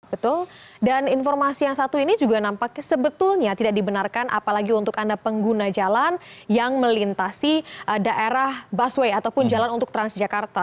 betul dan informasi yang satu ini juga nampaknya sebetulnya tidak dibenarkan apalagi untuk anda pengguna jalan yang melintasi daerah busway ataupun jalan untuk transjakarta